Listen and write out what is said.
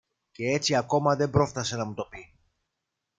Κι έτσι ακόμα δεν πρόφθασε να μου το πει.